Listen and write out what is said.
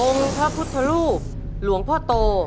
พระพุทธรูปหลวงพ่อโต